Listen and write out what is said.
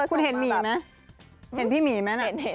พูดเห็นหมีไหมเห็นพี่หมีไหมน่ะเห็น